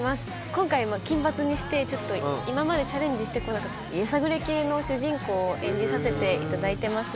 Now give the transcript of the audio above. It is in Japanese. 今回も金髪にしてちょっと今までチャレンジしてこなかったやさぐれ系の主人公を演じさせて頂いてます。